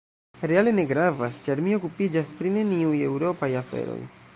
Reale ne gravas ĉar mi okupiĝas pri neniuj eŭropaj aferoj.